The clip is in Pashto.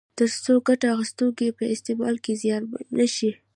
تر څو ګټه اخیستونکي په استعمال کې زیانمن نه شي.